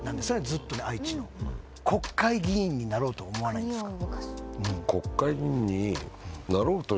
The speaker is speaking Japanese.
ずっと愛知の国会議員になろうと思わないんですか？